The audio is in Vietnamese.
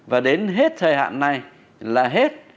và đến hết thời hạn này là hết